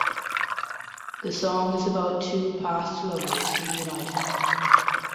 The song is about two past lovers reuniting.